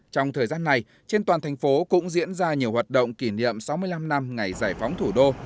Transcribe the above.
trong thời gian này trên toàn thành phố cũng diễn ra nhiều hoạt động kỷ niệm sáu mươi năm năm ngày giải phóng thủ đô